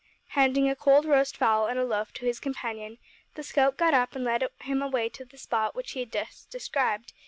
Handing a cold roast fowl and a loaf to his companion, the scout got up and led him away to the spot which he had just described.